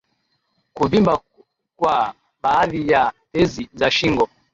kuvimba kwa baadhi ya tezi za shingo